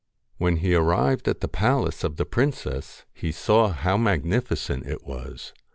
When he arrived at the palace of the princess, he saw how magnificent it was.